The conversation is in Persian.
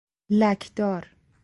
لکدار